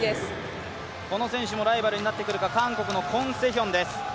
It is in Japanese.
この選手もライバルになってくるか韓国のクォン・セヒョンです。